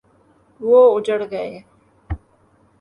وہ اجڑ گئے۔